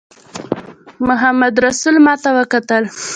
محمدرسول ماته وکتل.